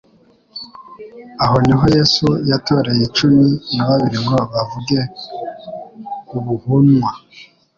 aho niho Yesu yatoreye cumi na babiri ngo bavuge ubuhunwa,